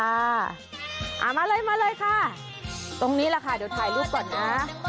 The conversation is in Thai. เอามาเลยมาเลยค่ะตรงนี้แหละค่ะเดี๋ยวถ่ายรูปก่อนนะ